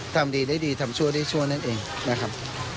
ทำดีได้ดีทำชั่วได้ชั่วนั่นเองนะครับ